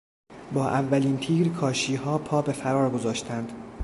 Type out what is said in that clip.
با اولین تیر، کاشیها پا به فرار گذاشتند.